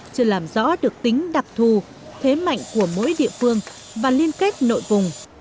chưa làm rõ được tính đặc thù thế mạnh của mỗi địa phương và liên kết nội vùng